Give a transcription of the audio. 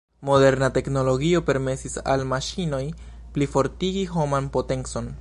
Moderna teknologio permesis al maŝinoj plifortigi homan potencon.